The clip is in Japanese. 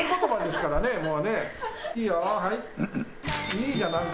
いいじゃん。